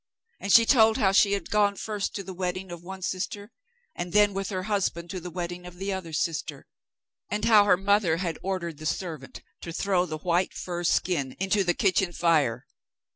And she told how she had gone first to the wedding of one sister, and then with her husband to the wedding of the other sister, and how her mother had ordered the servant to throw the white fur skin into the kitchen fire.